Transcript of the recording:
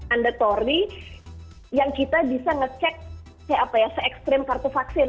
andatori yang kita bisa ngecek kayak apa ya se ekstrim kartu vaksin